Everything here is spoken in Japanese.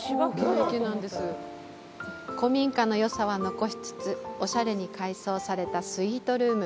古民家のよさは残しつつ、オシャレに改装されたスイートルーム。